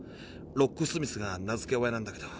ロックスミスが名付け親なんだけど。